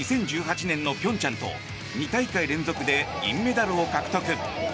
２０１８年の平昌と２大会連続で銀メダルを獲得。